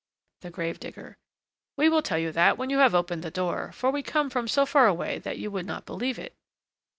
THE GRAVE DIGGER. We will tell you that when you have opened the door, for we come from so far away that you would not believe it.